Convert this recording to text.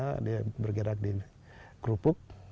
kemudian ada satu siswa yang baru kita develop